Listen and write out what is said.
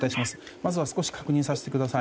まずは少し確認させてください。